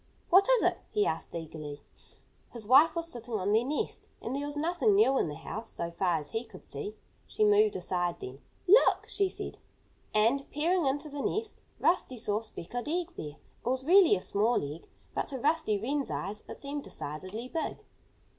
"What is it?" he asked eagerly. His wife was sitting on their nest. And there was nothing new in the house, so far as he could see. She moved aside then. "Look!" she said. And, peering into the nest, Rusty saw a speckled egg there. It was really a small egg. But to Rusty Wren's eyes it seemed decidedly big.